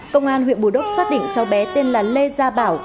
công an huyện bù đốc xót đỉnh cháu bé tên là lê gia bảo